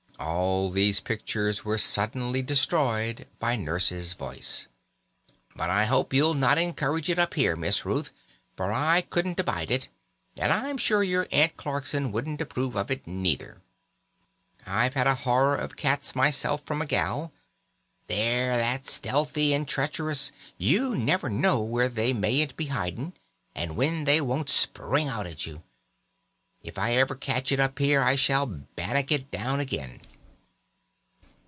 All these pictures were suddenly destroyed by Nurse's voice: "But I hope you'll not encourage it up here, Miss Ruth, for I couldn't abide it, and I'm sure your Aunt Clarkson wouldn't approve of it neither. I've had a horror of cats myself from a gal. They're that stealthy and treacherous, you never know where they mayn't be hiding, or when they won't spring out at you. If ever I catch it up here I shall bannock it down again."